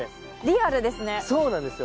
そうなんですよ